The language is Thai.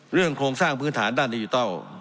เรื่องโครงสร้างพื้นฐานด้านดิจุเต้า